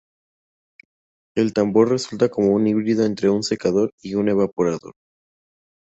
El tambor resulta como un híbrido entre un secador y un evaporador.